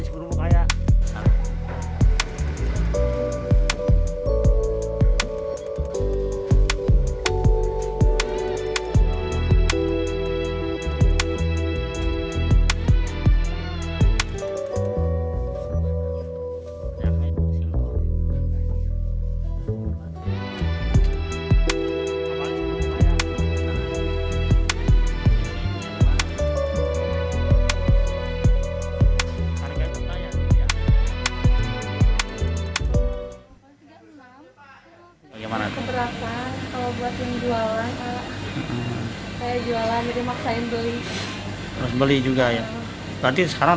berapa kalau buat yang jualan kayak jualan jadi maksain beli harus beli juga ya berarti sekarang